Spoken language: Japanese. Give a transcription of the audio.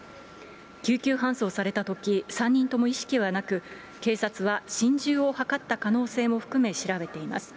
救急搬送されたとき、３人とも意識はなく、警察は心中を図った可能性も含め調べています。